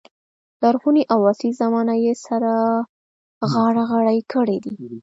لرغونې او عصري زمانه یې سره غاړه غړۍ کړې دي.